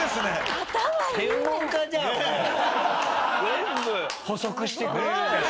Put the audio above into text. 全部補足してくれるね。